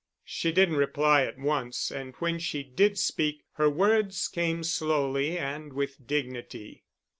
She didn't reply at once and when she did speak her words came slowly and with dignity.